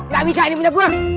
gak bisa ini punya uang